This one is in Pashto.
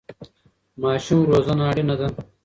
ماشوم روزنه اړینه ده.